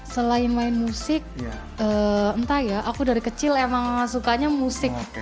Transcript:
selain main musik entah ya aku dari kecil emang sukanya musik